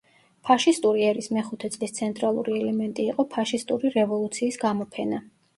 ფაშისტური ერის მეხუთე წლის ცენტრალური ელემენტი იყო ფაშისტური რევოლუციის გამოფენა.